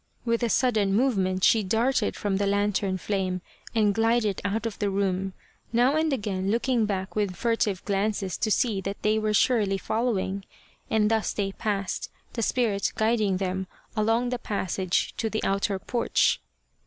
With a sudden movement she darted from the lantern flame The Spirit of the Lantern and glided out of the room, now and again looking back with furtive glances to see that they were surely following and thus they passed, the spirit guiding them, along the passage to the outer porch.